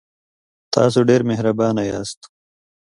تاسو ډیر مهربانه یاست.